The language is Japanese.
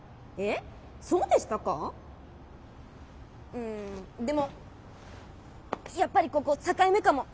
うんでもやっぱりここ「境目」かも。